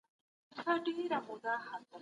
که کرنه میکانیزه سي د حاصلاتو کچه به لوړه سي.